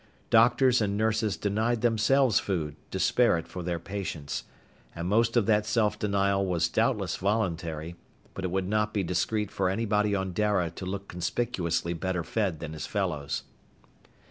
Doctors and nurses denied themselves food to spare it for their patients. And most of that self denial was doubtless voluntary, but it would not be discreet for anybody on Dara to look conspicuously better fed than his fellows.